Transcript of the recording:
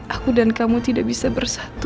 aku dan kamu tidak bisa bersatu